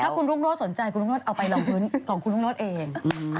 ถ้าคุณลูกโลศน์สนใจคุณลูกโลศน์เอาไปลองพื้นของคุณลูกโลศน์เอง